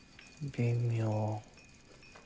微妙。